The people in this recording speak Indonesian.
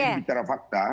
tapi saya mau bicara fakta